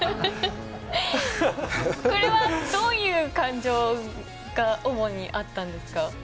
これはどういう感情が主にあったんですか？